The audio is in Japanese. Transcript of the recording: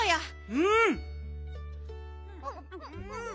うん！